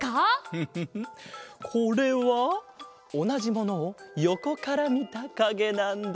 フフフこれはおなじものをよこからみたかげなんだ。